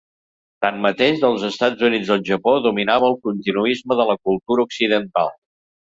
Tanmateix, dels Estats Units al Japó dominava el continuisme de la cultura occidental.